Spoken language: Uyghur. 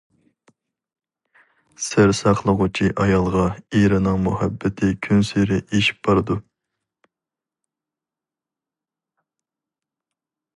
سىر ساقلىغۇچى ئايالغا ئېرىنىڭ مۇھەببىتى كۈنسېرى ئېشىپ بارىدۇ.